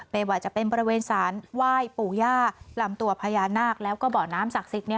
ไม่ว่าจะเป็นบริเวณสารไหว้ปู่ย่าลำตัวพญานาคแล้วก็เบาะน้ำศักดิ์สิทธิ์